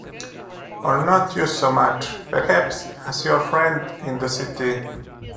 Or not you so much, perhaps, as your friend in the city?